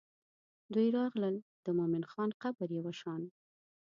دوی راغلل د مومن خان قبر یې وشان.